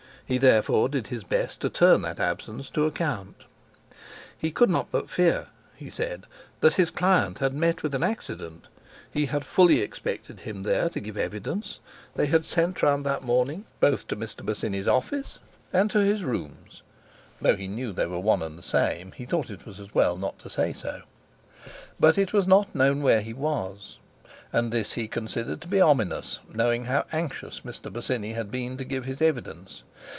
He therefore did his best to turn that absence to account. He could not but fear—he said—that his client had met with an accident. He had fully expected him there to give evidence; they had sent round that morning both to Mr. Bosinney's office and to his rooms (though he knew they were one and the same, he thought it was as well not to say so), but it was not known where he was, and this he considered to be ominous, knowing how anxious Mr. Bosinney had been to give his evidence.